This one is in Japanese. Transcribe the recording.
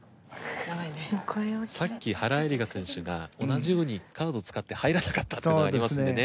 さっき原英莉花選手が同じようにカードを使って入らなかったっていうのありますんでね。